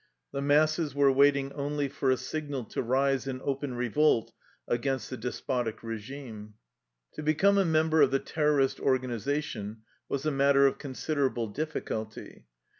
The masses were waiting only for a signal to rise in open revolt against the despotic regime. To become a member of the terrorist organiza tion was a matter of considerable difficulty.